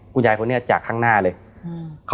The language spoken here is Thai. คุณยายคนนี้จากข้างหน้าเลย